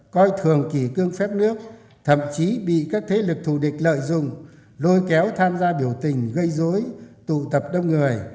coi thường kỳ cương phép nước thậm chí bị các thế lực thù địch lợi dụng lôi kéo tham gia biểu tình gây dối tụ tập đông người